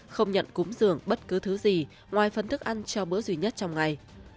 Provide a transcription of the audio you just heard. không nhận cúm dường bất cứ thứ gì ngoài phấn thức ăn cho bữa duy nhất trong ngày